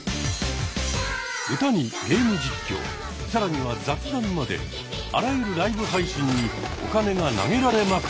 歌にゲーム実況更には雑談まであらゆるライブ配信にお金が投げられまくっている。